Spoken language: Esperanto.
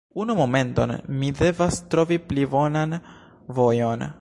Unu momenton, mi devas trovi pli bonan vojon